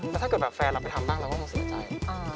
แล้วถ้าเกิดแบบแฟนเราไปทำบ้างเราก็คงเสียใจ